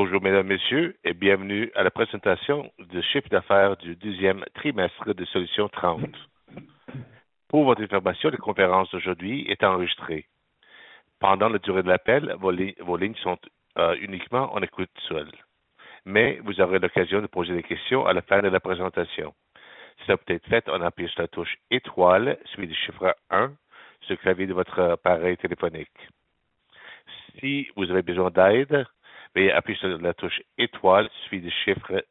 Bonjour Mesdames, Messieurs, et bienvenue à la présentation du chiffre d'affaires du deuxième trimestre de Solutions 30. Pour votre information, la conférence d'aujourd'hui est enregistrée. Pendant la durée de l'appel, vos lignes sont uniquement en écoute seule, mais vous aurez l'occasion de poser des questions à la fin de la présentation. Cela peut être fait en appuyant sur la touche étoile, suivie du chiffre 1, sur le clavier de votre appareil téléphonique. Si vous avez besoin d'aide, veuillez appuyer sur la touche étoile, suivie du chiffre,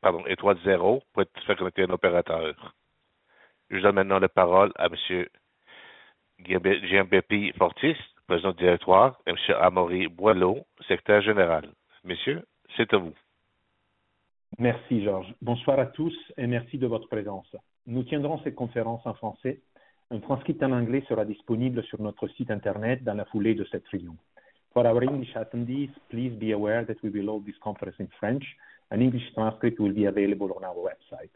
pardon, étoile 0 pour être connecté à un opérateur. Je donne maintenant la parole à monsieur Gianbeppi Fortis, Président Directeur, et à monsieur Amaury Boilot, Secrétaire Général. Messieurs, c'est à vous. Merci Georges. Bonsoir à tous et merci de votre présence. Nous tiendrons cette conférence en français. Une transcript en anglais sera disponible sur notre site Internet dans la foulée de cette réunion. For our English attendees, please be aware that we will hold this conference in French. An English transcript will be available on our website.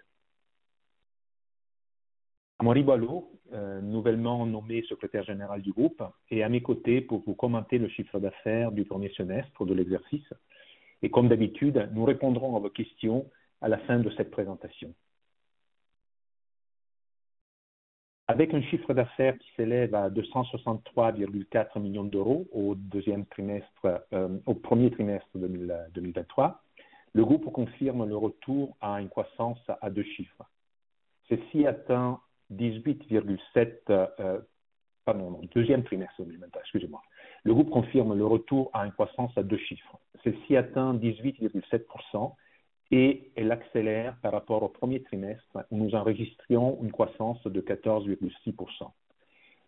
Amaury Boilot, nouvellement nommé Secrétaire Général du groupe, est à mes côtés pour vous commenter le chiffre d'affaires du premier semestre de l'exercice. Comme d'habitude, nous répondrons à vos questions à la fin de cette présentation. Avec un chiffre d'affaires qui s'élève à 263.4 million au deuxième trimestre, au premier trimestre 2023, le groupe confirme le retour à une croissance à 2 chiffres. Celle-ci atteint 18.7%, pardon, non, deuxième trimestre, excusez-moi. Le groupe confirme le retour à une croissance à 2 chiffres. Celle-ci atteint 18.7% et elle accélère par rapport au 1st trimestre, où nous enregistrions une croissance de 14.6%.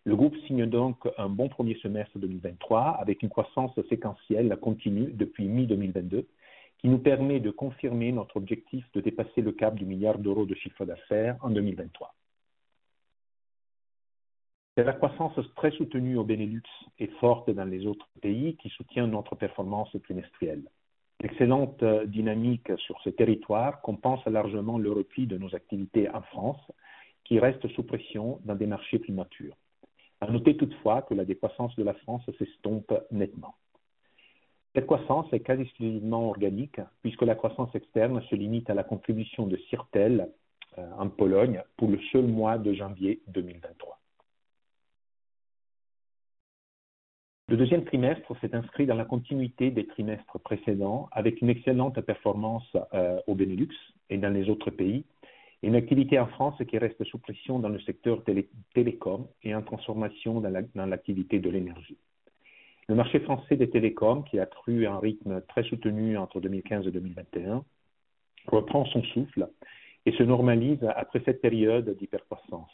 Le groupe signe un bon 1st semestre 2023, avec une croissance séquentielle continue depuis mi-2022, qui nous permet de confirmer notre objectif de dépasser le cap du 1 billion de chiffre d'affaires en 2023. C'est la croissance très soutenue au Benelux et forte dans les autres pays qui soutient notre performance trimestrielle. L'excellente dynamique sur ce territoire compense largement le repli de nos activités en France, qui reste sous pression dans des marchés plus matures. À noter toutefois que la décroissance de la France s'estompe nettement. Cette croissance est quasi exclusivement organique, puisque la croissance externe se limite à la contribution de Sirtel en Pologne, pour le seul mois de January 2023. Le second quarter s'est inscrit dans la continuité des trimestres précédents, avec une excellente performance au Benelux et dans les autres pays, et une activité en France qui reste sous pression dans le secteur télécoms et en transformation dans l'activité de l'énergie. Le marché français des télécoms, qui a cru à un rythme très soutenu entre 2015 and 2021, reprend son souffle et se normalise après cette période d'hypercroissance.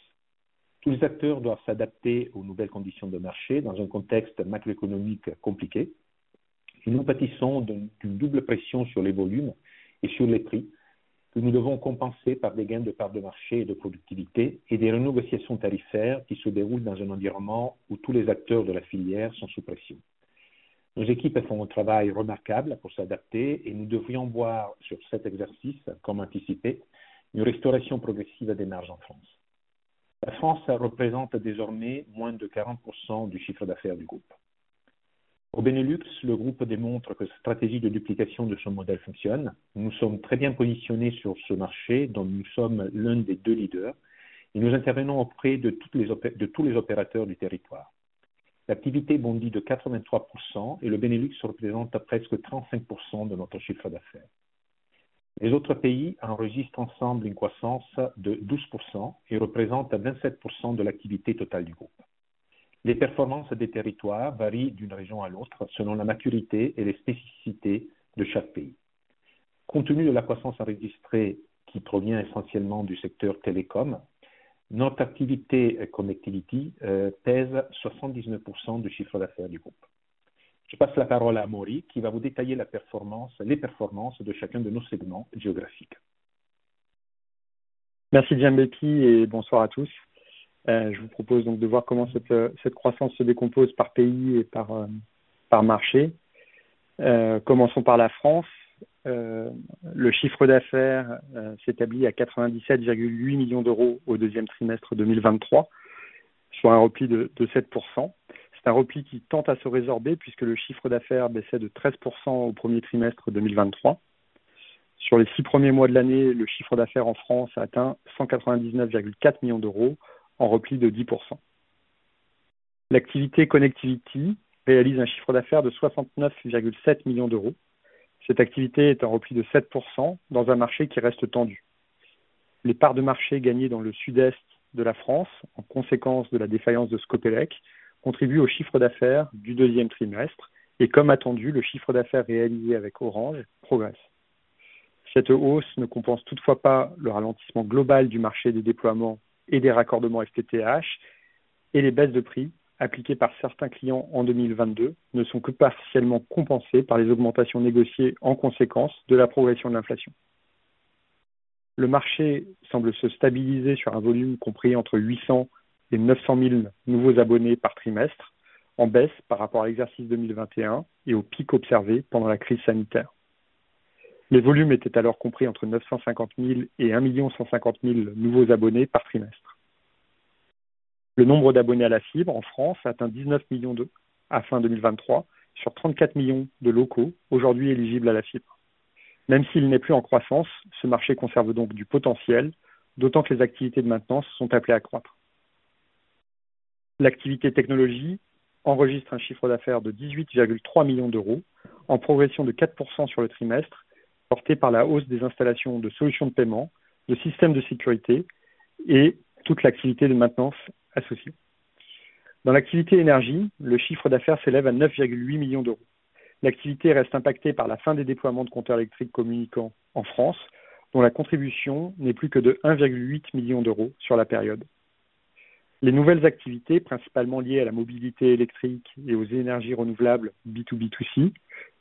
Tous les acteurs doivent s'adapter aux nouvelles conditions de marché, dans un contexte macroéconomique compliqué. Nous pâtissons donc d'une double pression sur les volumes et sur les prix, que nous devons compenser par des gains de parts de marché et de productivité et des renégociations tarifaires qui se déroulent dans un environnement où tous les acteurs de la filière sont sous pression. Nos équipes font un travail remarquable pour s'adapter et nous devrions voir sur cet exercice, comme anticipé, une restauration progressive des marges en France. La France représente désormais moins de 40% du chiffre d'affaires du groupe. Au Benelux, le groupe démontre que sa stratégie de duplication de son modèle fonctionne. Nous sommes très bien positionnés sur ce marché, dont nous sommes l'un des deux leaders, et nous intervenons auprès de tous les opérateurs du territoire. L'activité bondit de 83% et le Benelux représente presque 35% de notre chiffre d'affaires. Les autres pays enregistrent ensemble une croissance de 12% et représentent 27% de l'activité totale du groupe. Les performances des territoires varient d'une région à l'autre, selon la maturité et les spécificités de chaque pays. Compte tenu de la croissance enregistrée, qui provient essentiellement du secteur télécoms, notre activité Connectivity pèse 79% du chiffre d'affaires du groupe. Je passe la parole à Amaury, qui va vous détailler les performances de chacun de nos segments géographiques. Merci Gianbeppi et bonsoir à tous. Je vous propose donc de voir comment cette croissance se décompose par pays et par marché. Commençons par la France. Le chiffre d'affaires s'établit à 97.8 million au 2Q 2023, sur un repli de 7%. C'est un repli qui tend à se résorber puisque le chiffre d'affaires baissait de 13% au 1Q 2023. Sur les six premiers mois de l'année, le chiffre d'affaires en France atteint 199.4 million, en repli de 10%. L'activité Connectivity réalise un chiffre d'affaires de 69.7 million. Cette activité est un repli de 7% dans un marché qui reste tendu. Les parts de marché gagnées dans le Sud-Est de la France, en conséquence de la défaillance de Scopelec, contribuent au chiffre d'affaires du deuxième trimestre et, comme attendu, le chiffre d'affaires réalisé avec Orange progresse. Cette hausse ne compense toutefois pas le ralentissement global du marché des déploiements et des raccordements FTTH, et les baisses de prix appliquées par certains clients en 2022 ne sont que partiellement compensées par les augmentations négociées en conséquence de la progression de l'inflation. Le marché semble se stabiliser sur un volume compris entre 800,000 et 900,000 nouveaux abonnés par trimestre, en baisse par rapport à l'exercice 2021 et au pic observé pendant la crise sanitaire. Les volumes étaient alors compris entre 950,000 et 1,150,000 nouveaux abonnés par trimestre.... Le nombre d'abonnés à la fibre en France atteint 19 millions, à fin 2023, sur 34 millions de locaux aujourd'hui éligibles à la fibre. Même s'il n'est plus en croissance, ce marché conserve donc du potentiel, d'autant que les activités de maintenance sont appelées à croître. L'activité technologie enregistre un chiffre d'affaires de 18.3 million, en progression de 4% sur le trimestre, porté par la hausse des installations de solutions de paiement, de systèmes de sécurité et toute l'activité de maintenance associée. Dans l'activité énergie, le chiffre d'affaires s'élève à 9.8 million. L'activité reste impactée par la fin des déploiements de smart meters en France, dont la contribution n'est plus que de 1.8 million sur la période. Les nouvelles activités, principalement liées à la mobilité électrique et aux énergies renouvelables B2B2C,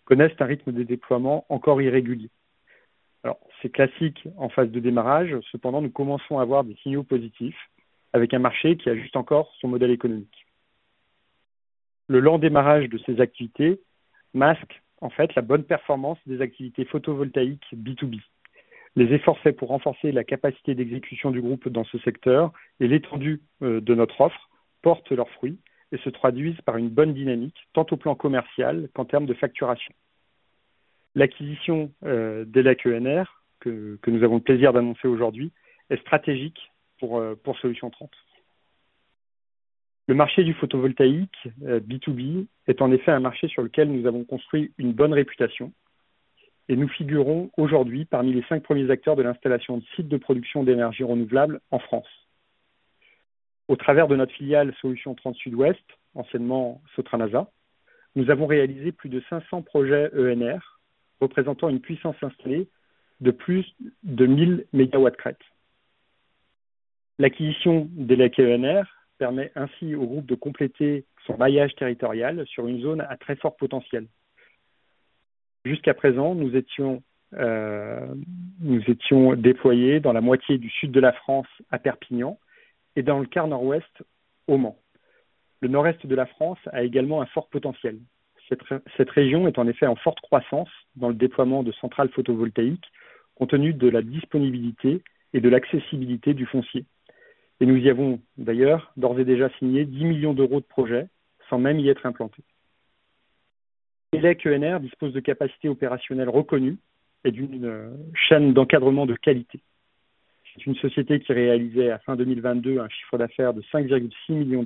connaissent un rythme de déploiement encore irrégulier. C'est classique en phase de démarrage. Nous commençons à avoir des signaux positifs avec un marché qui ajuste encore son modèle économique. Le lent démarrage de ces activités masque en fait la bonne performance des activités photovoltaïques B2B. Les efforts faits pour renforcer la capacité d'exécution du groupe dans ce secteur et l'étendue de notre offre portent leurs fruits et se traduisent par une bonne dynamique, tant au plan commercial qu'en termes de facturation. L'acquisition d'ELEC ENR, que nous avons le plaisir d'annoncer aujourd'hui, est stratégique pour Solutions 30. Le marché du photovoltaïque, B2B, est en effet un marché sur lequel nous avons construit une bonne réputation et nous figurons aujourd'hui parmi les cinq premiers acteurs de l'installation de sites de production d'énergies renouvelables en France. Au travers de notre filiale Solutions 30 Sud-Ouest, anciennement Sotranasa, nous avons réalisé plus de 500 projets ENR, représentant une puissance installée de plus de 1,000 mégawatts-crête. L'acquisition d'ELEC ENR permet ainsi au groupe de compléter son maillage territorial sur une zone à très fort potentiel. Jusqu'à présent, nous étions déployés dans la moitié du sud de la France, à Perpignan, et dans le quart nord-ouest, au Mans. Le nord-est de la France a également un fort potentiel. Cette région est en effet en forte croissance dans le déploiement de centrales photovoltaïques, compte tenu de la disponibilité et de l'accessibilité du foncier. Nous y avons d'ailleurs d'ores et déjà signé 10 million de projets sans même y être implantés. ELEC ENR dispose de capacités opérationnelles reconnues et d'une chaîne d'encadrement de qualité. C'est une société qui réalisait, à fin 2022, un chiffre d'affaires de 5.6 million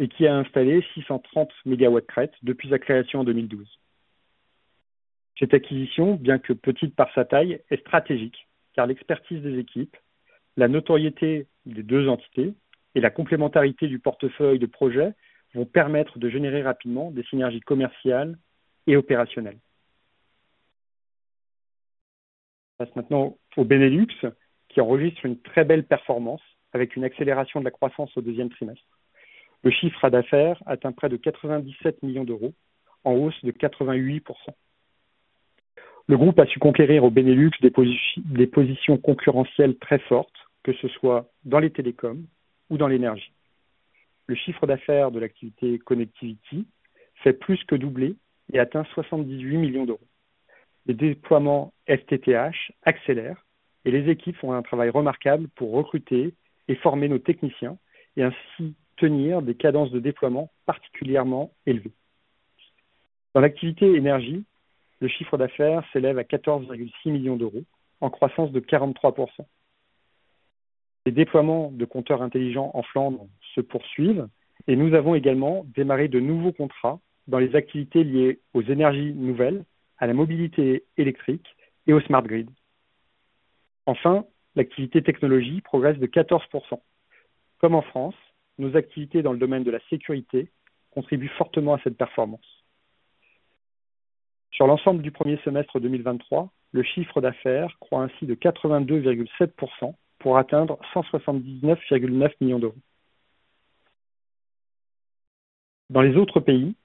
et qui a installé 630 mégawatts-crête depuis sa création en 2012. Cette acquisition, bien que petite par sa taille, est stratégique, car l'expertise des équipes, la notoriété des deux entités et la complémentarité du portefeuille de projets vont permettre de générer rapidement des synergies commerciales et opérationnelles. On passe maintenant au Benelux, qui enregistre une très belle performance avec une accélération de la croissance au deuxième trimestre. Le chiffre d'affaires atteint près de 97 million, en hausse de 88%. Le groupe a su conquérir au Benelux des positions concurrentielles très fortes, que ce soit dans les telecoms ou dans l'energy. Le chiffre d'affaires de l'activité Connectivity s'est plus que doublé et atteint 78 million EUR. Les déploiements FTTH accélèrent et les équipes font un travail remarquable pour recruter et former nos techniciens et ainsi tenir des cadences de déploiement particulièrement élevées. Dans l'activité energy, le chiffre d'affaires s'élève à 14.6 million EUR, en croissance de 43%. Les déploiements de smart meters en Flandre se poursuivent et nous avons également démarré de nouveaux contrats dans les activités liées aux énergies nouvelles, à la mobilité électrique et au smart grid. Enfin, l'activité technologie progresse de 14%. Comme en France, nos activités dans le domaine de la sécurité contribuent fortement à cette performance. Sur l'ensemble du premier semestre 2023, le chiffre d'affaires croît ainsi de 82.7% pour atteindre EUR 179.9 million. Dans les autres pays,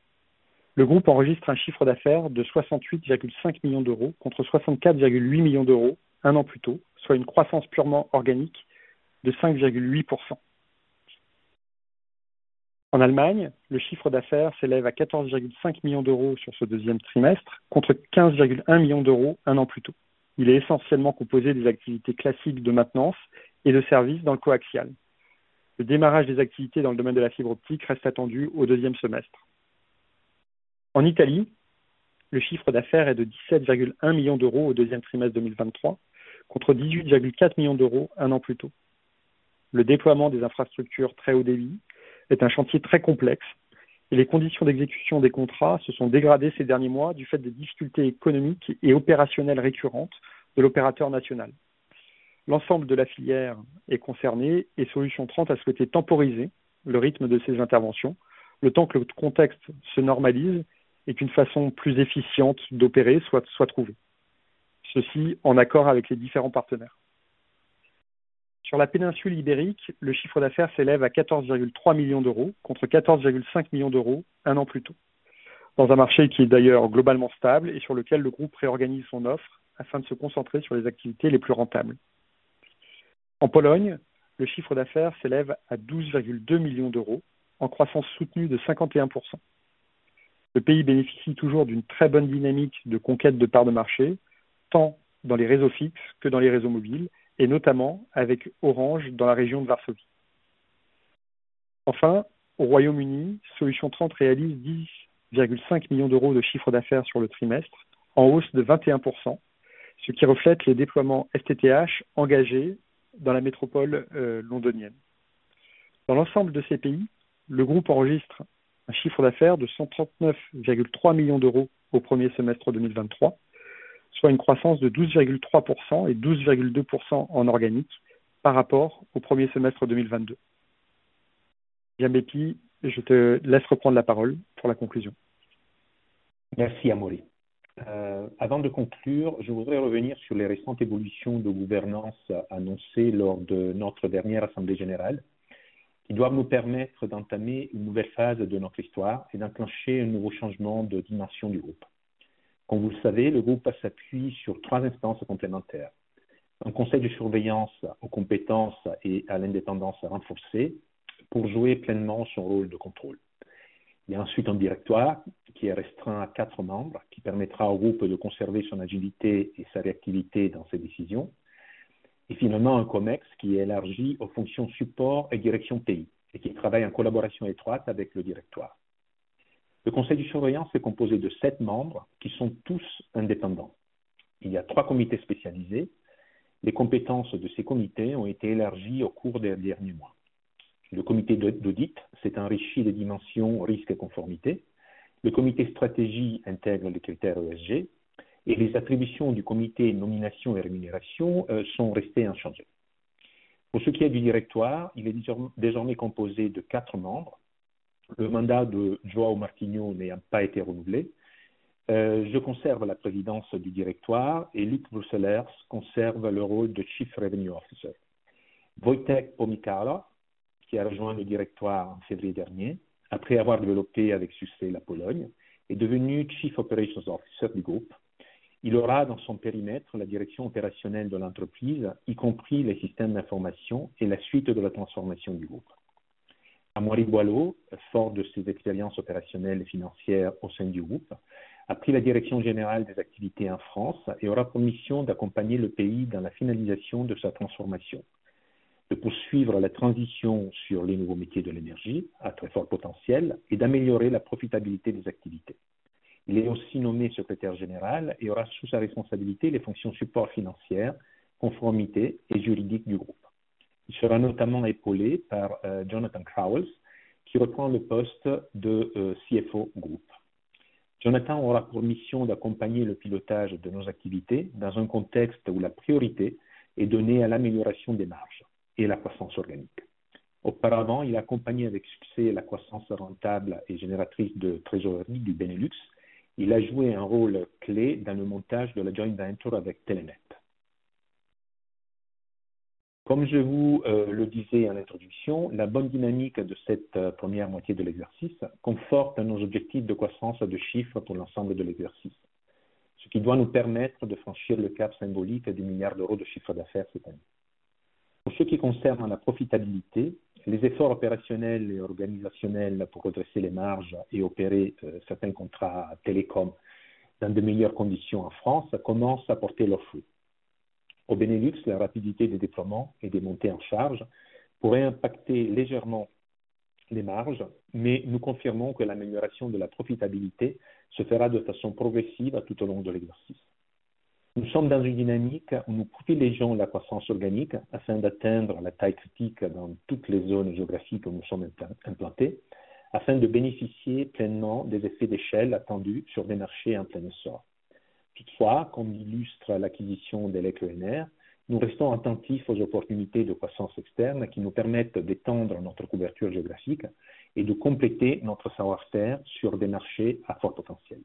le groupe enregistre un chiffre d'affaires de 68.5 million, contre 64.8 million un an plus tôt, soit une croissance purement organique de 5.8%. En Allemagne, le chiffre d'affaires s'élève à 14.5 million sur ce deuxième trimestre, contre 15.1 million un an plus tôt. Il est essentiellement composé des activités classiques de maintenance et de services dans le coaxial. Le démarrage des activités dans le domaine de la fibre optique reste attendu au deuxième semestre. En Italie, le chiffre d'affaires est de 17.1 million au deuxième trimestre 2023, contre 18.4 million un an plus tôt. Le déploiement des infrastructures très haut débit est un chantier très complexe et les conditions d'exécution des contrats se sont dégradées ces derniers mois, du fait des difficultés économiques et opérationnelles récurrentes de l'opérateur national. L'ensemble de la filière est concernée et Solutions 30 a souhaité temporiser le rythme de ses interventions, le temps que le contexte se normalise et qu'une façon plus efficiente d'opérer soit trouvée. Ceci, en accord avec les différents partenaires. Sur la péninsule Ibérique, le chiffre d'affaires s'élève à 14.3 million, contre 14.5 million un an plus tôt, dans un marché qui est d'ailleurs globalement stable et sur lequel le groupe réorganise son offre afin de se concentrer sur les activités les plus rentables. En Pologne, le chiffre d'affaires s'élève à 12.2 million, en croissance soutenue de 51%. Le pays bénéficie toujours d'une très bonne dynamique de conquête de parts de marché, tant dans les réseaux fixes que dans les réseaux mobiles, et notamment avec Orange, dans la région de Varsovie. Au U.K., Solutions 30 realizes EUR 10.5 million of revenue on the quarter, up 21%, which reflects the FTTH deployments engaged in the London metropolitan area. In all these countries, the group recorded revenue of EUR 139.3 million in the first half 2023, representing growth of 12.3% and 12.2% organically compared to the first half 2022. Gianbeppi, I'll let you take the floor for the conclusion. Merci Amaury. Avant de conclure, je voudrais revenir sur les récentes évolutions de gouvernance annoncées lors de notre dernière assemblée générale, qui doivent nous permettre d'entamer une nouvelle phase de notre histoire et d'enclencher un nouveau changement de dimension du groupe. Comme vous le savez, le groupe s'appuie sur 3 instances complémentaires: un conseil de surveillance aux compétences et à l'indépendance renforcée pour jouer pleinement son rôle de contrôle. Ensuite un directoire, qui est restreint à 4 membres, qui permettra au groupe de conserver son agilité et sa réactivité dans ses décisions. Finalement, un ComEx, qui est élargi aux fonctions support et direction pays et qui travaille en collaboration étroite avec le directoire. Le conseil de surveillance est composé de 7 membres qui sont tous indépendants. 3 comités spécialisés. Les compétences de ces comités ont été élargies au cours des derniers mois. Le comité d'audit s'est enrichi des dimensions risque et conformité. Le comité stratégie intègre les critères ESG et les attributions du comité nomination et rémunération sont restées inchangées. Pour ce qui est du directoire, il est désormais composé de quatre membres. Le mandat de João Martinho n'a pas été renouvelé. Je conserve la présidence du directoire et Luc Brusselaers conserve le rôle de Chief Revenue Officer. Wojtek Pomykala, qui a rejoint le directoire en février dernier, après avoir développé avec succès la Pologne, est devenu Chief Operations Officer du groupe. Il aura dans son périmètre la direction opérationnelle de l'entreprise, y compris les systèmes d'information et la suite de la transformation du groupe. Amaury Boilot, fort de ses expériences opérationnelles et financières au sein du groupe, a pris la direction générale des activités en France et aura pour mission d'accompagner le pays dans la finalisation de sa transformation, de poursuivre la transition sur les nouveaux métiers de l'énergie à très fort potentiel et d'améliorer la profitabilité des activités. Il est aussi nommé Secrétaire Général et aura sous sa responsabilité les fonctions support financières, conformité et juridique du groupe. Il sera notamment épaulé par Jonathan Crauwels, qui reprend le poste de CFO groupe. Jonathan aura pour mission d'accompagner le pilotage de nos activités dans un contexte où la priorité est donnée à l'amélioration des marges et la croissance organique. Auparavant, il a accompagné avec succès la croissance rentable et génératrice de trésorerie du Benelux. Il a joué un rôle clé dans le montage de la joint venture avec Telenet. Comme je vous le disais en introduction, la bonne dynamique de cette première moitié de l'exercice conforte nos objectifs de croissance de chiffres pour l'ensemble de l'exercice, ce qui doit nous permettre de franchir le cap symbolique des milliards d'euros de chiffre d'affaires cette année. Pour ce qui concerne la profitabilité, les efforts opérationnels et organisationnels pour redresser les marges et opérer certains contrats télécom dans de meilleures conditions en France commencent à porter leurs fruits. Au Benelux, la rapidité des déploiements et des montées en charge pourrait impacter légèrement les marges, mais nous confirmons que l'amélioration de la profitabilité se fera de façon progressive tout au long de l'exercice. Nous sommes dans une dynamique où nous privilégions la croissance organique afin d'atteindre la taille critique dans toutes les zones géographiques où nous sommes implantés, afin de bénéficier pleinement des effets d'échelle attendus sur des marchés en plein essor. Comme l'illustre l'acquisition d'ELEC ENR, nous restons attentifs aux opportunités de croissance externe qui nous permettent d'étendre notre couverture géographique et de compléter notre savoir-faire sur des marchés à fort potentiel.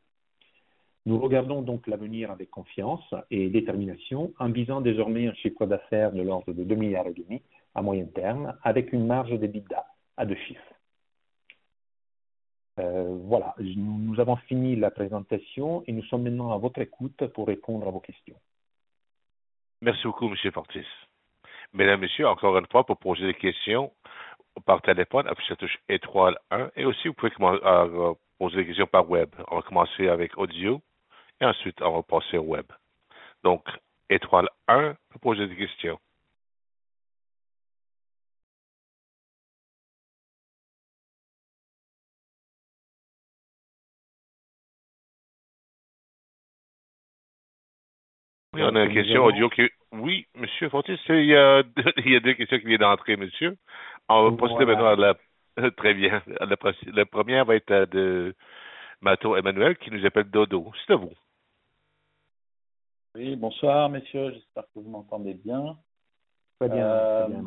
Nous regardons donc l'avenir avec confiance et détermination, en visant désormais un chiffre d'affaires de l'ordre de 2.5 billion à moyen terme, avec une marge d'EBITDA à two digits. Nous avons fini la présentation et nous sommes maintenant à votre écoute pour répondre à vos questions. Merci beaucoup, Monsieur Fortis. Mesdames et Messieurs, encore une fois, pour poser des questions par téléphone, appuyez sur la touche star 1 et aussi, vous pouvez commencer à poser des questions par web. On va commencer avec audio et ensuite, on va passer au web. Star 1, pour poser des questions. On a une question audio. Oui, Monsieur Fortis, il y a 2 questions qui viennent d'entrer, monsieur. On va passer maintenant, très bien. La première va être de Emmanuel Matot, qui nous appelle d'ODDO BHF. C'est à vous. Oui, bonsoir messieurs, j'espère que vous m'entendez bien. Très bien, très bien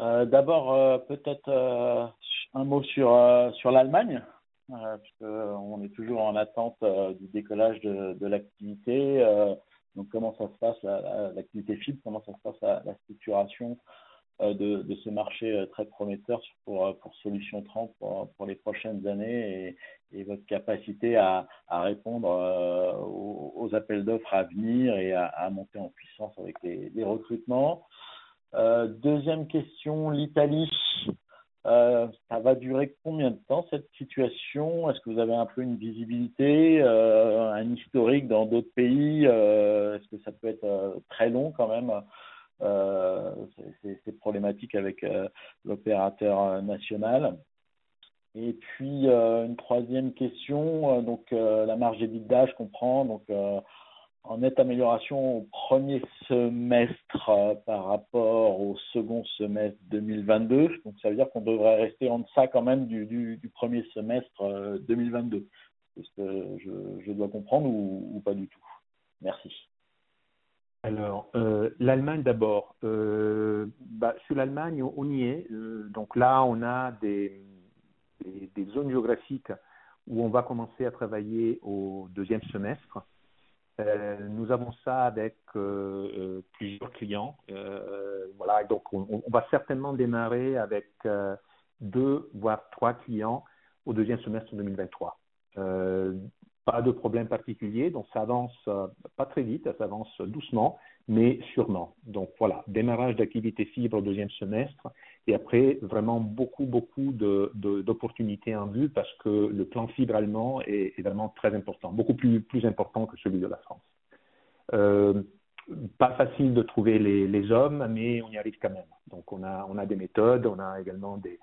Emmanuel. D'abord, un mot sur l'Allemagne, puisque on est toujours en attente du décollage de l'activité. Comment ça se passe l'activité fibre? Comment ça se passe la structuration de ce marché très prometteur pour Solutions 30, pour les prochaines années et votre capacité à répondre aux appels d'offres à venir et à monter en puissance avec des recrutements? 2e question, l'Italie, ça va durer combien de temps, cette situation? Est-ce que vous avez un peu une visibilité, un historique dans d'autres pays? Est-ce que ça peut être très long quand même, ces problématiques avec l'opérateur national? 3e question, la marge d'EBITDA, je comprends, en nette amélioration au 1er semestre par rapport au 2nd semestre 2022. Ça veut dire qu'on devrait rester en deçà quand même du premier semestre 2022. Est-ce que je dois comprendre ou pas du tout? Merci. L'Allemagne d'abord. Sur l'Allemagne, on y est. Là, on a des zones géographiques où on va commencer à travailler au 2nd semestre. Nous avons ça avec plusieurs clients. On va certainement démarrer avec 2, voire 3 clients au 2nd semestre 2023. Pas de problème particulier, ça avance pas très vite, ça avance doucement, mais sûrement. Démarrage d'activité fibre au 2nd semestre et après, vraiment beaucoup d'opportunités en vue, parce que le plan fibre allemand est vraiment très important, beaucoup plus important que celui de la France. Pas facile de trouver les hommes, mais on y arrive quand même. On a des méthodes, on a également des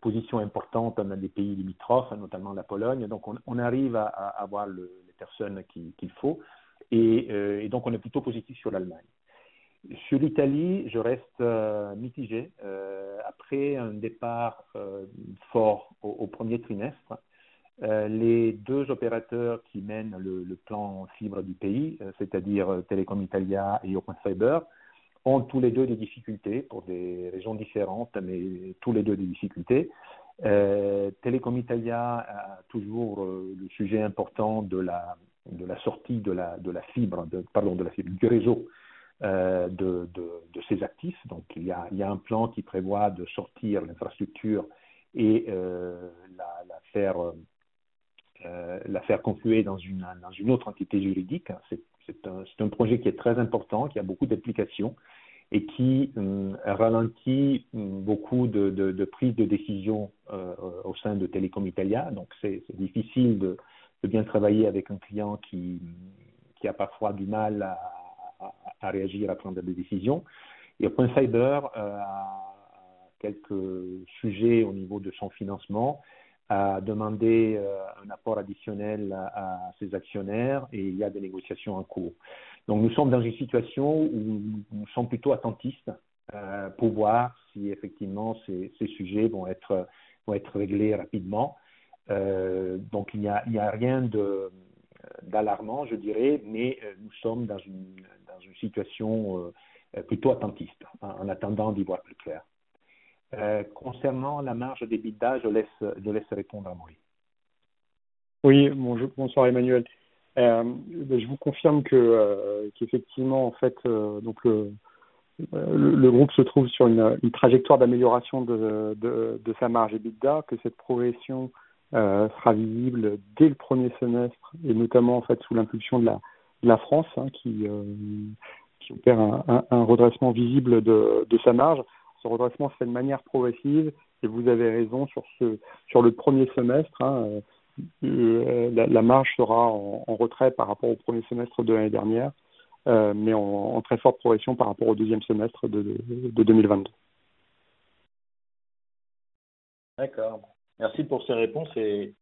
positions importantes dans des pays limitrophes, notamment la Pologne. On arrive à avoir les personnes qu'il faut et donc on est plutôt positif sur l'Allemagne. Sur l'Italie, je reste mitigé. Après un départ fort au premier trimestre, les deux opérateurs qui mènent le plan fibre du pays, c'est-à-dire Telecom Italia et Open Fiber, ont tous les deux des difficultés pour des raisons différentes, mais tous les deux des difficultés. Telecom Italia a toujours le sujet important de la sortie de la fibre, pardon, de la fibre, du réseau, de ses actifs. Il y a un plan qui prévoit de sortir l'infrastructure et la faire confluer dans une autre entité juridique. C'est un projet qui est très important, qui a beaucoup d'applications et qui ralentit beaucoup de prises de décisions au sein de Telecom Italia. C'est difficile de bien travailler avec un client qui a parfois du mal à réagir et à prendre des décisions. Open Fiber a quelques sujets au niveau de son financement, a demandé un apport additionnel à ses actionnaires et il y a des négociations en cours. Nous sommes dans une situation où nous sommes plutôt attentistes, pour voir si effectivement, ces sujets vont être réglés rapidement. Il n'y a rien de d'alarmant, je dirais, mais nous sommes dans une situation plutôt attentiste, en attendant d'y voir plus clair. Concernant la marge d'EBITDA, je laisse répondre à Amaury. Oui, bonjour, bonsoir Emmanuel. Je vous confirme qu'effectivement, le groupe se trouve sur une trajectoire d'amélioration de sa marge EBITDA, que cette progression sera visible dès le premier semestre et notamment sous l'impulsion de la France, qui opère un redressement visible de sa marge. Ce redressement se fait de manière progressive et vous avez raison sur le premier semestre, la marge sera en retrait par rapport au premier semestre de l'année dernière, mais en très forte progression par rapport au deuxième semestre de 2022. D'accord. Merci pour ces réponses et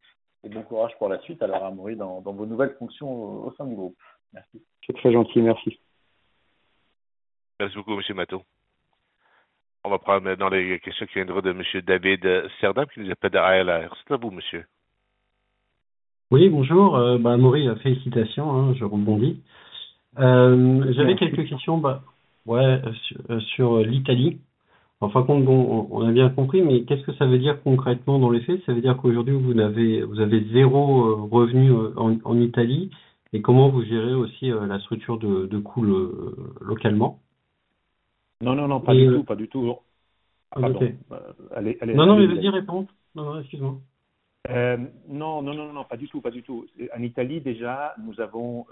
bon courage pour la suite, alors, Amaury, dans vos nouvelles fonctions au sein du groupe. Merci. C'est très gentil, merci. Merci beaucoup, monsieur Matot. On va prendre maintenant les questions qui viennent de monsieur David Cerdan, qui nous appelle de RLR. C'est à vous, monsieur. Oui, bonjour, Amaury, félicitations, je rebondis. J'avais quelques questions, ouais, sur l'Italy. En fin de compte, bon, on a bien compris, mais qu'est-ce que ça veut dire concrètement dans les faits? Ça veut dire qu'aujourd'hui, vous avez 0 revenu en Italy? Comment vous gérez aussi la structure de coûts localement? Non, non, pas du tout, pas du tout. Pardon. Non, non, vas-y, réponds. Non, non, excuse-moi. Non, non, non, pas du tout, pas du tout. En Italie, déjà, nous avons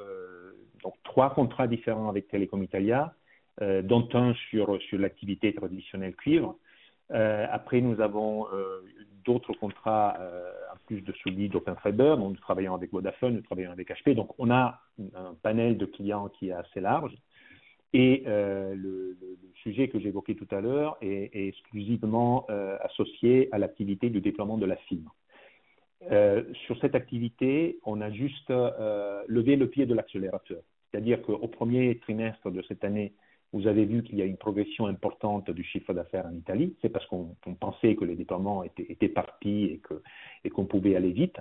donc trois contrats différents avec Telecom Italia, dont un sur l'activité traditionnelle cuivre. Après, nous avons d'autres contrats, en plus de celui d'Open Fiber. Nous travaillons avec Vodafone, nous travaillons avec HP. On a un panel de clients qui est assez large et le sujet que j'évoquais tout à l'heure est exclusivement associé à l'activité de déploiement de la fibre. Sur cette activité, on a juste levé le pied de l'accélérateur. C'est-à-dire qu'au premier trimestre de cette année, vous avez vu qu'il y a une progression importante du chiffre d'affaires en Italie. C'est parce qu'on pensait que le déploiement était parti et que, et qu'on pouvait aller vite.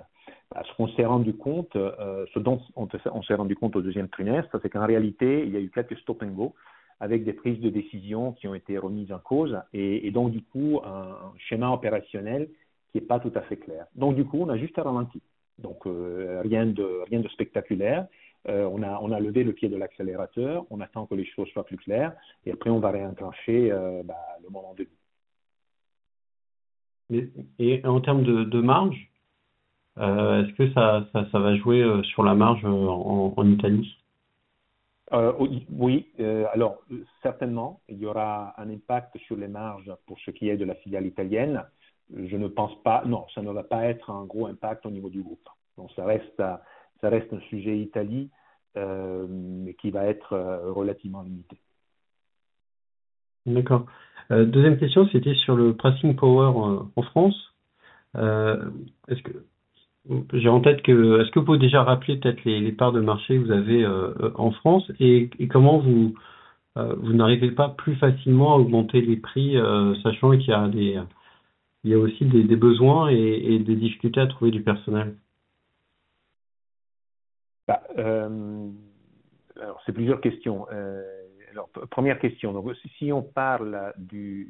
Ce qu'on s'est rendu compte, ce dont on s'est rendu compte au deuxième trimestre, c'est qu'en réalité, il y a eu quelques stop and go avec des prises de décisions qui ont été remises en cause et donc du coup, un schéma opérationnel qui n'est pas tout à fait clair. On a juste ralenti. Rien de spectaculaire. On a levé le pied de l'accélérateur, on attend que les choses soient plus claires et après, on va réenclencher le mode en début. En termes de marge, est-ce que ça va jouer sur la marge en Italie? Oui. Certainement, il y aura un impact sur les marges pour ce qui est de la filiale italienne. Je ne pense pas, non, ça ne va pas être un gros impact au niveau du groupe. Ça reste un sujet Italie, mais qui va être relativement limité. D'accord. Deuxième question, c'était sur le pricing power en France. J'ai en tête que, est-ce que vous pouvez déjà rappeler peut-être les parts de marché que vous avez, en France? Comment vous n'arrivez pas plus facilement à augmenter les prix, sachant qu'il y a des, il y a aussi des besoins et des difficultés à trouver du personnel? C'est plusieurs questions. Première question. Si on parle de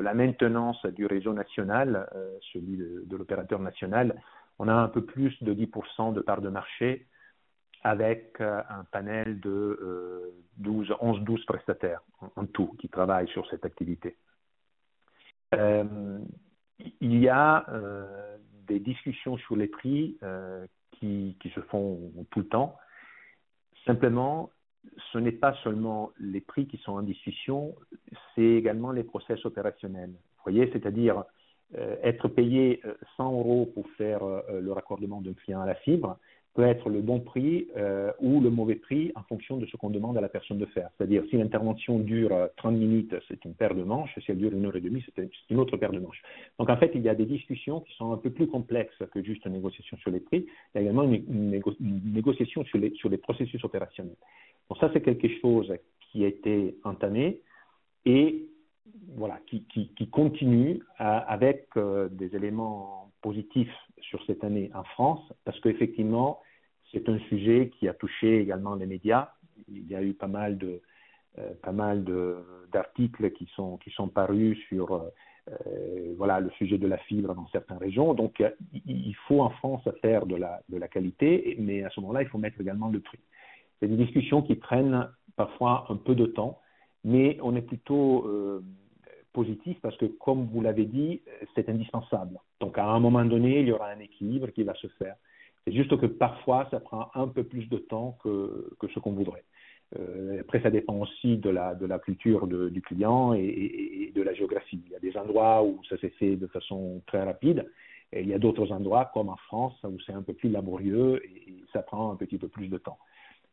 la maintenance du réseau national, celui de l'opérateur national, on a un peu plus de 10% de parts de marché avec un panel de 12, 11, 12 prestataires en tout, qui travaillent sur cette activité. Il y a des discussions sur les prix qui se font tout le temps. Simplement, ce n'est pas seulement les prix qui sont en discussion, c'est également les process opérationnels. Vous voyez, c'est-à-dire, être payé 100 euros pour faire le raccordement d'un client à la fibre peut être le bon prix ou le mauvais prix, en fonction de ce qu'on demande à la personne de faire. C'est-à-dire, si l'intervention dure 30 minutes, c'est une paire de manches, si elle dure 1.5 hours, c'est une autre paire de manches. En fait, il y a des discussions qui sont un peu plus complexes que juste une négociation sur les prix. Il y a également une négociation sur les, sur les processus opérationnels. Ça, c'est quelque chose qui a été entamé et voilà, qui continue avec des éléments positifs sur cette année en France, parce qu'effectivement, c'est un sujet qui a touché également les médias. Il y a eu pas mal d'articles qui sont parus sur, voilà, le sujet de la fibre dans certaines régions. Il faut, en France, faire de la qualité, mais à ce moment-là, il faut mettre également le prix. C'est des discussions qui prennent parfois un peu de temps, mais on est plutôt positif, parce que, comme vous l'avez dit, c'est indispensable. À un moment donné, il y aura un équilibre qui va se faire. C'est juste que parfois, ça prend un peu plus de temps que ce qu'on voudrait. Après, ça dépend aussi de la culture de du client et de la géographie. Il y a des endroits où ça se fait de façon très rapide et il y a d'autres endroits, comme en France, où c'est un peu plus laborieux et ça prend un petit peu plus de temps.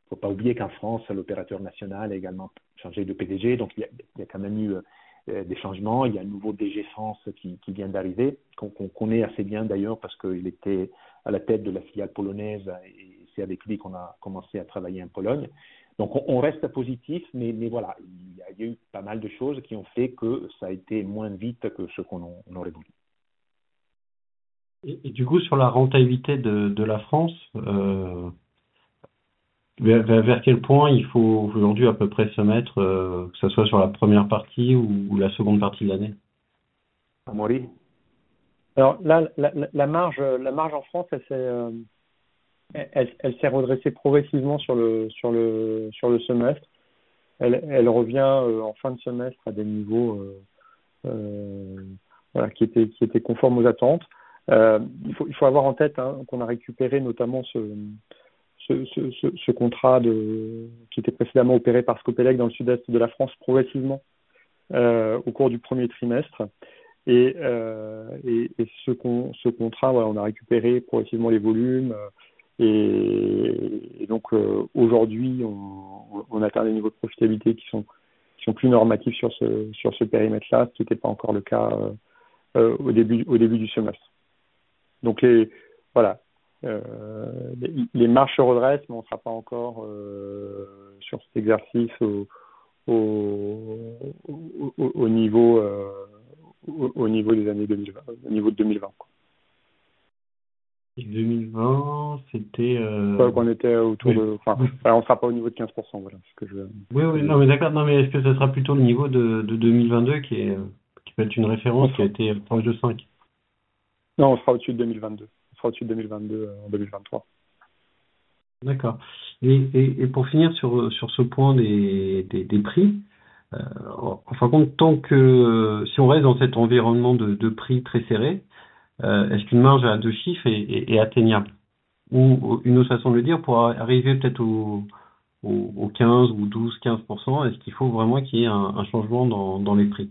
Faut pas oublier qu'en France, l'opérateur national a également changé de PDG. Il y a quand même eu des changements. Il y a un nouveau DG France qui vient d'arriver, qu'on connaît assez bien d'ailleurs, parce qu'il était à la tête de la filiale polonaise et c'est avec lui qu'on a commencé à travailler en Pologne. On reste positif, mais voilà, il y a eu pas mal de choses qui ont fait que ça a été moins vite que ce qu'on aurait voulu. Du coup, sur la rentabilité de la France, vers quel point il faut aujourd'hui à peu près se mettre, que ça soit sur la première partie ou la seconde partie de l'année? Amaury? La marge en France, elle s'est redressée progressivement sur le semestre. Elle revient en fin de semestre à des niveaux qui étaient conformes aux attentes. Il faut avoir en tête qu'on a récupéré notamment ce contrat qui était précédemment opéré par Scopelec, dans le sud-est de la France, progressivement au cours du first trimestre. Ce contrat, on a récupéré progressivement les volumes. Et donc aujourd'hui, on atteint des niveaux de profitabilité qui sont plus normatifs sur ce périmètre-là, ce qui n'était pas encore le cas au début du semestre. les, voilà, les marges se redressent, mais on ne sera pas encore, sur cet exercice, au niveau des années 2020 quoi. 2020, c'était. On sera pas au niveau de 15%, voilà. Oui, oui, non, d'accord. Non, est-ce que ça sera plutôt le niveau de 2022, qui peut être une référence, qui a été proche de 5? Non, on sera au-dessus de 2022. On sera au-dessus de 2022, en 2023. D'accord. Pour finir sur ce point des prix, en fin de compte, si on reste dans cet environnement de prix très serré, est-ce qu'une marge à 2 chiffres est atteignable? Ou une autre façon de le dire, pour arriver peut-être au 15 ou 12-15%, est-ce qu'il faut vraiment qu'il y ait un changement dans les prix?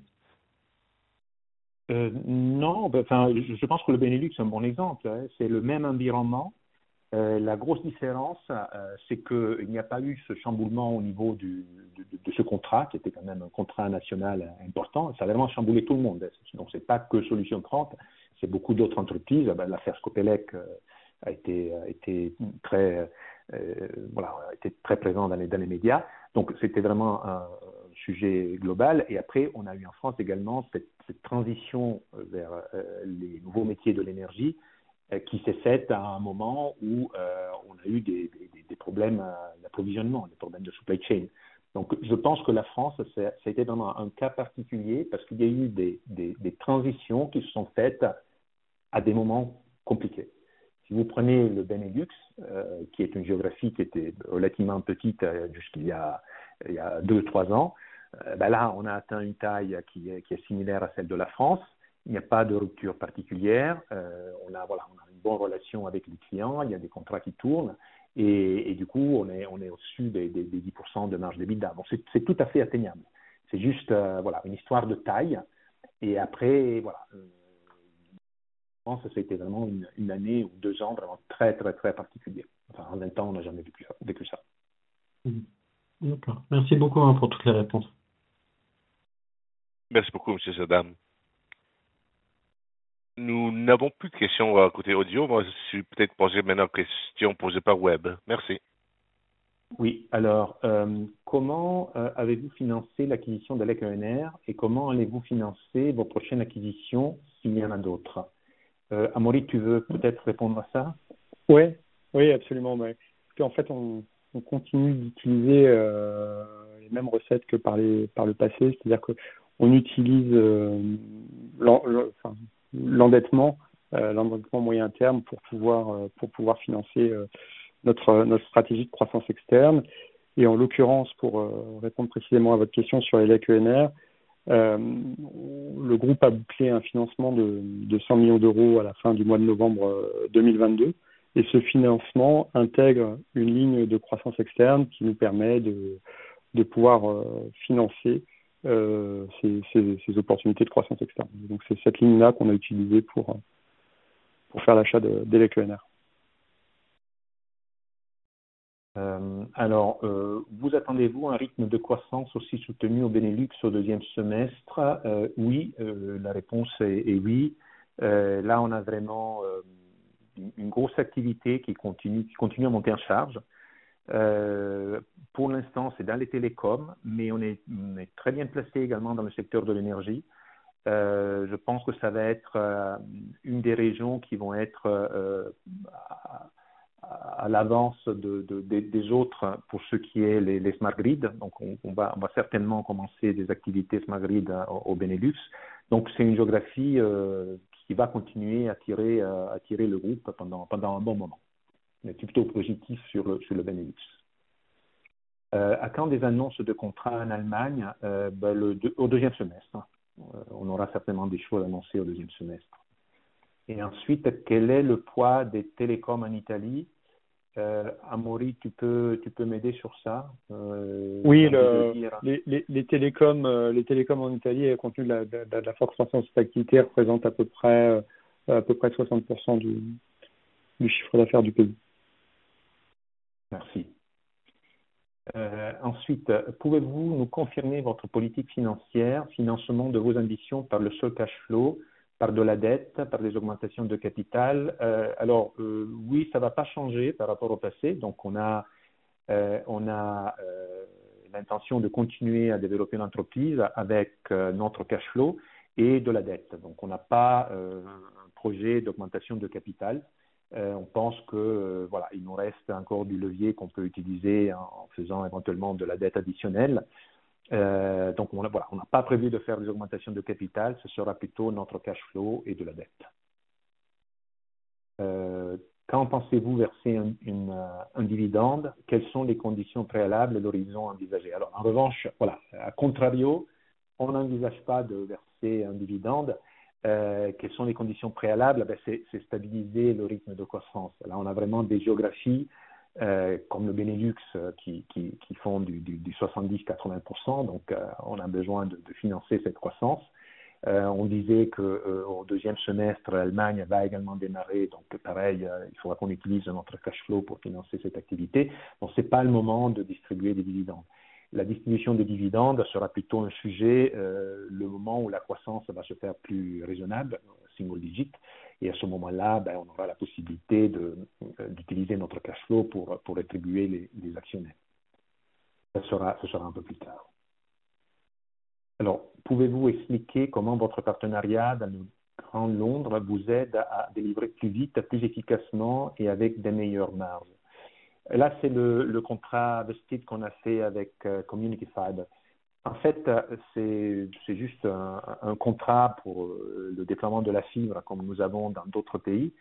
Non. Je pense que le Benelux, c'est un bon exemple. C'est le même environnement. La grosse différence, c'est qu'il n'y a pas eu ce chamboulement au niveau de ce contrat, qui était quand même un contrat national important. Ça a vraiment chamboulé tout le monde. Ce n'est pas que Solutions 30, c'est beaucoup d'autres entreprises. L'affaire Scopelec a été très présente dans les médias. C'était vraiment un sujet global. Après, on a eu en France également cette transition vers les nouveaux métiers de l'énergie, qui s'est faite à un moment où on a eu des problèmes d'approvisionnement, des problèmes de supply chain. Je pense que la France, ça a été vraiment un cas particulier, parce qu'il y a eu des transitions qui se sont faites à des moments compliqués. Si vous prenez le Benelux, qui est une géographie qui était relativement petite jusqu'il y a 2, 3 ans, là, on a atteint une taille qui est similaire à celle de la France. Il n'y a pas de rupture particulière. On a une bonne relation avec les clients, il y a des contrats qui tournent et du coup, on est au-dessus des 10% de marge d'EBITDA. C'est tout à fait atteignable. C'est juste une histoire de taille. Après, ça a été vraiment une année ou 2 ans vraiment très particulière. En même temps, on n'a jamais vécu ça. D'accord. Merci beaucoup pour toutes les réponses. Merci beaucoup, Monsieur Cerdan. Nous n'avons plus de questions côté audio. Moi, je suis peut-être posé maintenant questions posées par web. Merci. Oui, alors, comment avez-vous financé l'acquisition d'ELEC ENR et comment allez-vous financer vos prochaines acquisitions s'il y en a d'autres? Amaury, tu veux peut-être répondre à ça? Oui, oui, absolument. Oui, puis en fait, on continue d'utiliser les mêmes recettes que par les, par le passé. C'est-à-dire qu'on utilise l'endettement moyen terme pour pouvoir financer notre stratégie de croissance externe. En l'occurrence, pour répondre précisément à votre question sur ELEC ENR, le groupe a bouclé un financement de 100 million à la fin du mois de November 2022, et ce financement intègre une ligne de croissance externe qui nous permet de pouvoir financer ces opportunités de croissance externe. C'est cette ligne-là qu'on a utilisée pour faire l'achat de ELEC ENR. Vous attendez-vous à un rythme de croissance aussi soutenu au Benelux au deuxième semestre? Oui, la réponse est oui. Là, on a vraiment une grosse activité qui continue à monter en charge. Pour l'instant, c'est dans les télécoms, mais on est très bien placé également dans le secteur de l'énergie. Je pense que ça va être une des régions qui vont être à l'avance des autres, pour ce qui est les Smart Grid. On va certainement commencer des activités Smart Grid au Benelux. C'est une géographie qui va continuer à attirer le groupe pendant un bon moment. On est plutôt positif sur le Benelux. Attend des annonces de contrats en Allemagne? ben, au second semestre, on aura certainement des choses à annoncer au second semestre. Ensuite, quel est le poids des télécoms en Italie? Amaury, tu peux m'aider sur ça? Oui, les télécoms en Italie, compte tenu de la forte croissance d'activité, représentent à peu près 60% du chiffre d'affaires du pays. Merci. Ensuite, pouvez-vous nous confirmer votre politique financière, financement de vos ambitions par le seul cash flow, par de la dette, par des augmentations de capital? Alors, oui, ça ne va pas changer par rapport au passé. On a l'intention de continuer à développer l'entreprise avec notre cash flow et de la dette. On n'a pas un projet d'augmentation de capital. On pense que voilà, il nous reste encore du levier qu'on peut utiliser en faisant éventuellement de la dette additionnelle. Donc voilà, on n'a pas prévu de faire des augmentations de capital, ce sera plutôt notre cash flow et de la dette. Quand pensez-vous verser un dividende? Quelles sont les conditions préalables et l'horizon envisagé? En revanche, voilà, à contrario, on n'envisage pas de verser un dividende. Quelles sont les conditions préalables? C'est stabiliser le rythme de croissance. On a vraiment des géographies, comme le Benelux, qui font du 70%-80%. On a besoin de financer cette croissance. On disait qu'au deuxième semestre, l'Allemagne va également démarrer. Pareil, il faudra qu'on utilise notre cash flow pour financer cette activité. Ce n'est pas le moment de distribuer des dividendes. La distribution des dividendes sera plutôt un sujet le moment où la croissance va se faire plus raisonnable, single digit, et à ce moment-là, on aura la possibilité d'utiliser notre cash flow pour rétribuer les actionnaires. Ce sera un peu plus tard. Pouvez-vous expliquer comment votre partenariat dans le Grand Londres vous aide à délivrer plus vite, plus efficacement et avec des meilleures marges ? Là, c'est le contrat Vested qu'on a fait avec Community Fibre. C'est juste un contrat pour le déploiement de la fibre, comme nous avons dans d'autres pays.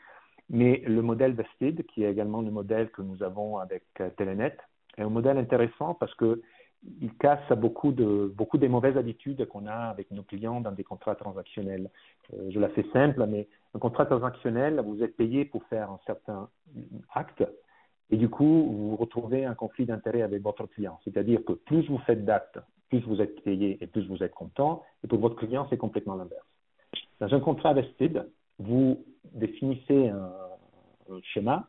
Le modèle Vested, qui est également le modèle que nous avons avec Telenet, est un modèle intéressant parce qu'il casse beaucoup des mauvaises habitudes qu'on a avec nos clients dans des contrats transactionnels. Je la fais simple, mais un contrat transactionnel, vous êtes payé pour faire un certain acte et du coup, vous retrouvez un conflit d'intérêts avec votre client. Plus vous faites d'actes, plus vous êtes payé et plus vous êtes content. Pour votre client, c'est complètement l'inverse. Dans un contrat Vested, vous définissez un schéma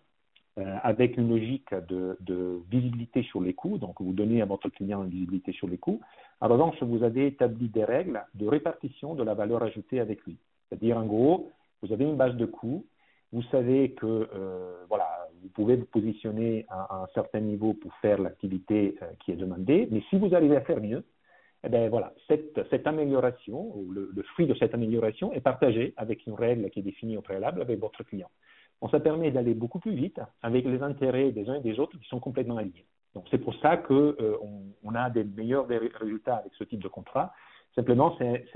avec une logique de visibilité sur les coûts. Vous donnez à votre client une visibilité sur les coûts. Vous avez établi des règles de répartition de la valeur ajoutée avec lui. C'est-à-dire, en gros, vous avez une base de coûts. Vous savez que voilà, vous pouvez vous positionner à un certain niveau pour faire l'activité qui est demandée, mais si vous arrivez à faire mieux, eh ben voilà, cette amélioration ou le fruit de cette amélioration est partagé avec une règle qui est définie au préalable avec votre client. Ça permet d'aller beaucoup plus vite avec les intérêts des uns et des autres qui sont complètement alignés. C'est pour ça que on a des meilleurs résultats avec ce type de contrat. Simplement, c'est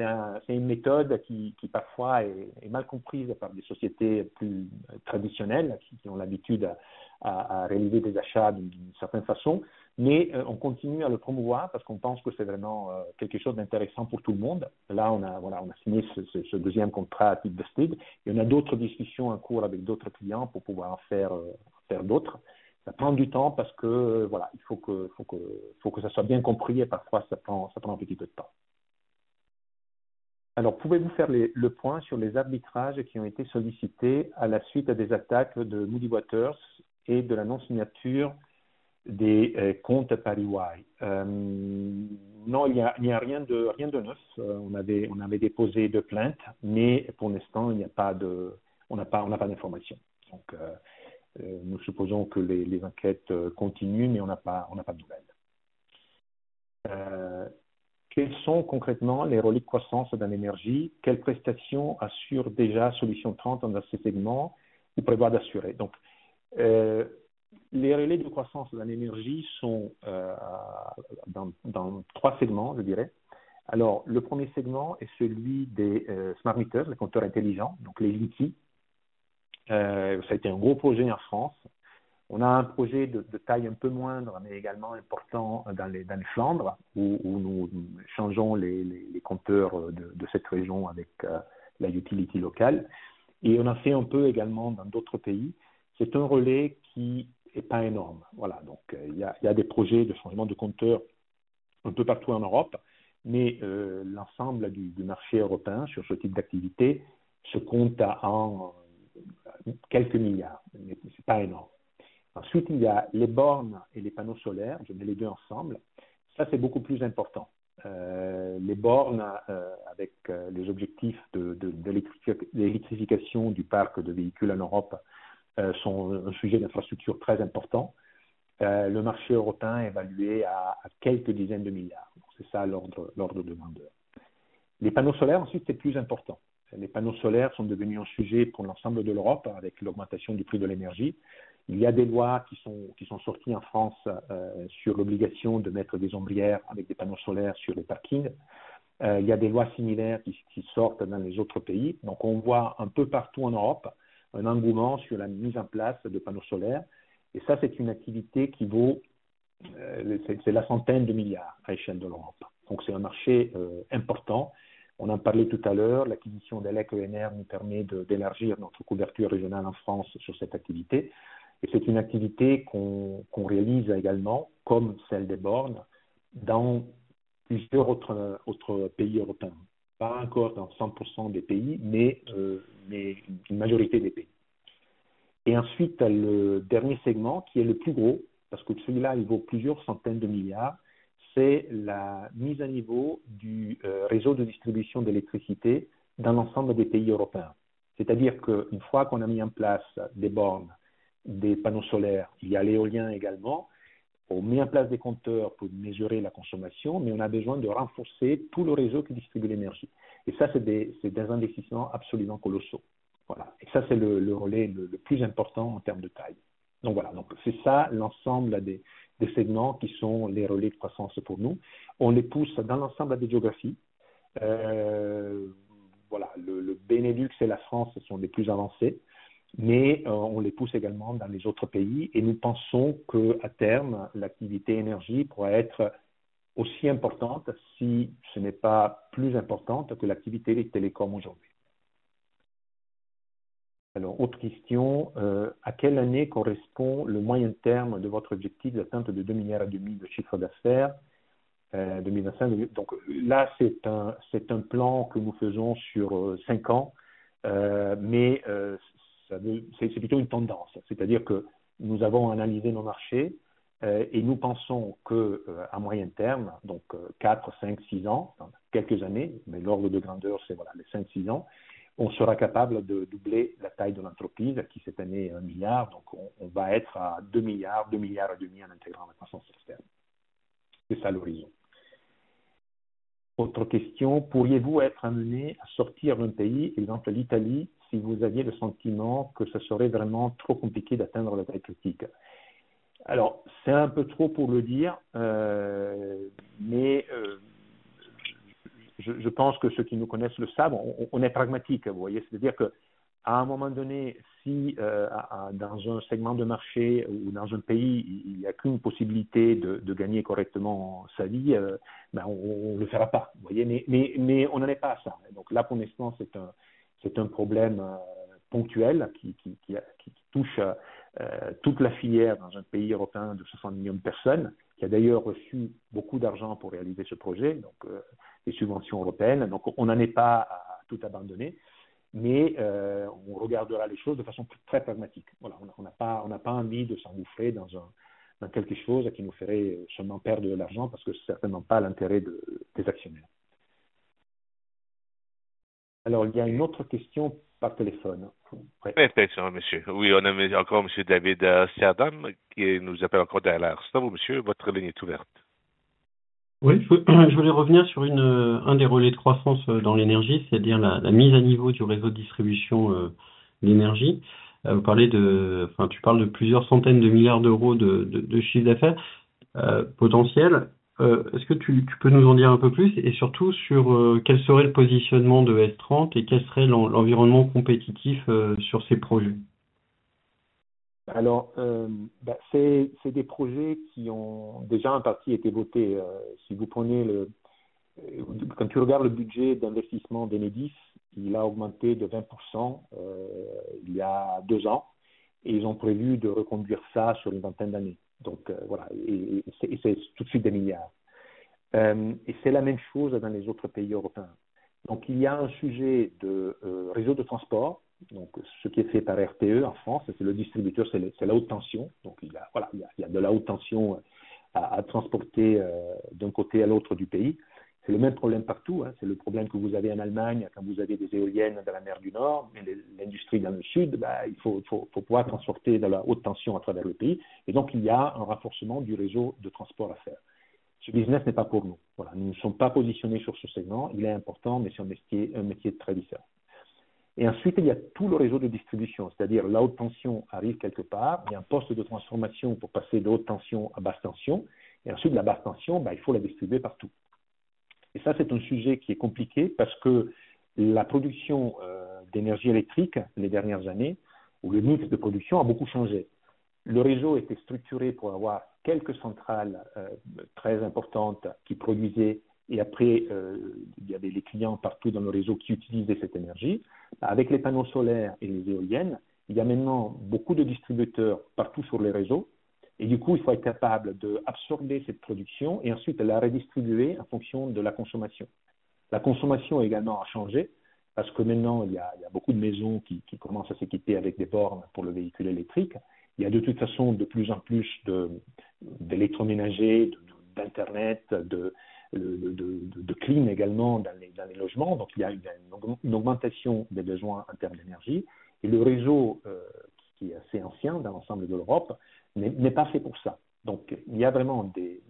une méthode qui parfois est mal comprise par des sociétés plus traditionnelles, qui ont l'habitude à réaliser des achats d'une certaine façon. On continue à le promouvoir parce qu'on pense que c'est vraiment quelque chose d'intéressant pour tout le monde. Là, on a, voilà, on a signé ce second contrat à tip de speed. Il y en a d'autres discussions en cours avec d'autres clients pour pouvoir en faire d'autres. Ça prend du temps parce que voilà, il faut que ça soit bien compris et parfois, ça prend un petit peu de temps. Pouvez-vous faire le point sur les arbitrages qui ont été sollicités à la suite des attaques de Muddy Waters et de la non-signature des comptes à EY? Non, il n'y a rien de neuf. On avait déposé des plaintes, mais pour l'instant, il n'y a pas de... On n'a pas d'informations. Nous supposons que les enquêtes continuent, mais on n'a pas de nouvelles. Quels sont concrètement les relais de croissance d'un énergie? Quelles prestations assure déjà Solutions 30 dans ce segment ou prévoit d'assurer? Les relais de croissance dans l'énergie sont dans 3 segments, je dirais. Le premier segment est celui des Smart Meters, les compteurs intelligents, donc les IT. Ça a été un gros projet en France. On a un projet de taille un peu moindre, mais également important dans les Flandres, où nous changeons les compteurs de cette région avec la utility locale. On a fait un peu également dans d'autres pays. C'est un relais qui est pas énorme. Voilà, il y a des projets de changement de compteur un peu partout en Europe, l'ensemble du marché européen sur ce type d'activité se compte en quelques milliards EUR. C'est pas énorme. Ensuite, il y a les bornes et les panneaux solaires, je mets les deux ensemble. Ça, c'est beaucoup plus important. Les bornes, avec les objectifs de d'électrification du parc de véhicules en Europe, sont un sujet d'infrastructure très important. Le marché européen est évalué à quelques dizaines de milliards EUR. C'est ça l'ordre de grandeur. Les panneaux solaires, ensuite, c'est plus important. Les panneaux solaires sont devenus un sujet pour l'ensemble de l'Europe, avec l'augmentation du prix de l'énergie. Il y a des lois qui sont sorties en France sur l'obligation de mettre des ombrières avec des panneaux solaires sur les parkings. Il y a des lois similaires qui sortent dans les autres pays. On voit un peu partout en Europe un engouement sur la mise en place de panneaux solaires. Ça, c'est une activité qui vaut la EUR centaine de milliards à l'échelle de l'Europe. C'est un marché important. On en parlait tout à l'heure, l'acquisition d'ELEC ENR nous permet d'élargir notre couverture régionale en France sur cette activité. C'est une activité qu'on réalise également, comme celle des bornes, dans plusieurs autres pays européens. Pas encore dans 100% des pays, mais une majorité des pays. Ensuite, le dernier segment, qui est le plus gros, parce que celui-là, il vaut plusieurs EUR centaines de milliards, c'est la mise à niveau du réseau de distribution d'électricité d'un ensemble des pays européens. C'est-à-dire qu'une fois qu'on a mis en place des bornes, des panneaux solaires, il y a l'éolien également, on met en place des compteurs pour mesurer la consommation, mais on a besoin de renforcer tout le réseau qui distribue l'énergie. Ça, c'est des investissements absolument colossaux. Ça, c'est le relais le plus important en termes de taille. Voilà, c'est ça l'ensemble des segments qui sont les relais de croissance pour nous. On les pousse dans l'ensemble des géographies. Voilà, le Benelux et la France sont les plus avancés, mais on les pousse également dans les autres pays et nous pensons qu'à terme, l'activité énergie pourra être aussi importante, si ce n'est pas plus importante que l'activité des télécoms aujourd'hui. Autre question: à quelle année correspond le moyen terme de votre objectif d'atteinte de 2.5 billion de chiffre d'affaires? 2005. C'est un plan que nous faisons sur 5 ans, c'est plutôt une tendance. C'est-à-dire que nous avons analysé nos marchés, nous pensons que, à moyen terme, donc 4, 5, 6 ans, quelques années, mais l'ordre de grandeur, c'est voilà, les 5, 6 ans, on sera capable de doubler la taille de l'entreprise, qui cette année est 1 billion. On va être à 2 billion, 2.5 billion en intégrant la France dans le système. C'est ça l'origine. Autre question: pourriez-vous être amené à sortir d'un pays, exemple Italy, si vous aviez le sentiment que ce serait vraiment trop compliqué d'atteindre la taille critique? C'est un peu trop pour le dire, mais je pense que ceux qui nous connaissent le savent, on est pragmatique. Vous voyez, c'est-à-dire qu'à un moment donné, si dans un segment de marché ou dans un pays, il n'y a qu'une possibilité de gagner correctement sa vie, ben on le fera pas. Vous voyez? On n'en est pas à ça. Là, pour l'instant, c'est un problème ponctuel qui touche toute la filière dans un pays européen de 60 million de personnes, qui a d'ailleurs reçu beaucoup d'argent pour réaliser ce projet, donc des subventions européennes. On n'en est pas à tout abandonner, mais on regardera les choses de façon très pragmatique. Voilà, on n'a pas envie de s'engouffrer dans quelque chose qui nous ferait seulement perdre de l'argent, parce que certainement pas l'intérêt des actionnaires. Il y a une autre question par téléphone. On avait encore Monsieur David Cerdan, qui nous appelle encore d'Alarsto. Monsieur, votre ligne est ouverte. Oui, je voulais revenir sur une, un des relais de croissance dans l'énergie, c'est-à-dire la mise à niveau du réseau de distribution d'énergie. Vous parlez de, enfin, tu parles de plusieurs centaines de milliards d'EUR de chiffre d'affaires potentiel. Est-ce que tu peux nous en dire un peu plus? Surtout sur quel serait le positionnement de Solutions 30 et quel serait l'environnement compétitif sur ces projets? C'est des projets qui ont déjà en partie été votés. Quand tu regardes le budget d'investissement d'Enedis, il a augmenté de 20%, il y a 2 ans, et ils ont prévu de reconduire ça sur une vingtaine d'années. C'est tout de suite des milliards d'euros. C'est la même chose dans les autres pays européens. Il y a un sujet de réseau de transport, ce qui est fait par RTE en France, c'est le distributeur, c'est la haute tension. Il y a de la haute tension à transporter d'un côté à l'autre du pays. C'est le même problème partout. C'est le problème que vous avez en Allemagne, quand vous avez des éoliennes dans la mer du Nord, mais l'industrie dans le sud, il faut pouvoir transporter de la haute tension à travers le pays. Il y a un renforcement du réseau de transport à faire. Ce business n'est pas pour nous. Nous ne sommes pas positionnés sur ce segment. Il est important, mais c'est un métier très différent. Ensuite, il y a tout le réseau de distribution, c'est-à-dire la haute tension arrive quelque part, il y a un poste de transformation pour passer de haute tension à basse tension et ensuite la basse tension, il faut la distribuer partout. Ça, c'est un sujet qui est compliqué parce que la production d'énergie électrique, les dernières années, où le mix de production a beaucoup changé. Le réseau était structuré pour avoir quelques centrales très importantes qui produisaient et après il y avait les clients partout dans le réseau qui utilisaient cette énergie. Avec les panneaux solaires et les éoliennes, il y a maintenant beaucoup de distributeurs partout sur le réseau et du coup, il faut être capable d'absorber cette production et ensuite la redistribuer en fonction de la consommation. La consommation également a changé, parce que maintenant, il y a beaucoup de maisons qui commencent à s'équiper avec des bornes pour le véhicule électrique. Il y a de toute façon de plus en plus d'électroménagers, d'Internet, de clim également dans les logements. Il y a une augmentation des besoins en termes d'énergie et le réseau, qui est assez ancien dans l'ensemble de l'Europe, n'est pas fait pour ça. Il y a vraiment des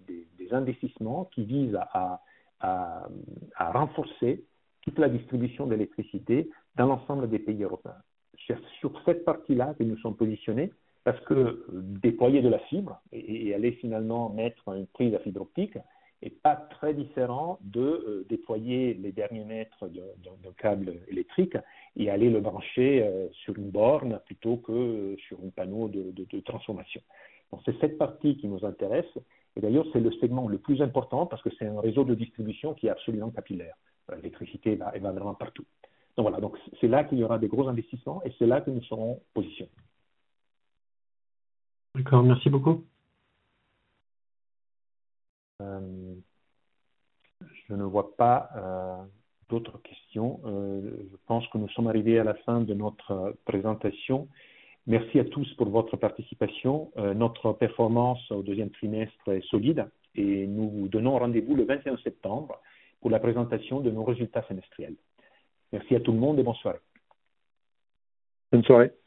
investissements qui visent à renforcer toute la distribution d'électricité dans l'ensemble des pays européens. C'est sur cette partie-là que nous sommes positionnés, parce que déployer de la fibre et aller finalement mettre une prise à fibre optique n'est pas très différent de déployer les derniers mètres d'un câble électrique et aller le brancher sur une borne plutôt que sur un panneau de transformation. C'est cette partie qui nous intéresse. D'ailleurs, c'est le segment le plus important, parce que c'est un réseau de distribution qui est absolument capillaire. L'électricité, elle va vraiment partout. Voilà, c'est là qu'il y aura des gros investissements et c'est là que nous serons positionnés. D'accord, merci beaucoup. je ne vois pas d'autres questions. je pense que nous sommes arrivés à la fin de notre présentation. Merci à tous pour votre participation. notre performance au deuxième trimestre est solide et nous vous donnons rendez-vous le 21 septembre pour la présentation de nos résultats semestriels. Merci à tout le monde et bonne soirée. Bonne soirée!